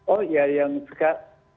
oh ya yang sekat